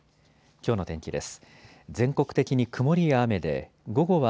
きょうの天気です。